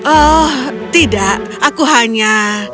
oh tidak aku hanya